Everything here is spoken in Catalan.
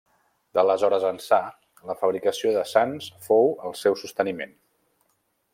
D'aleshores ençà la fabricació de sants fou el seu sosteniment.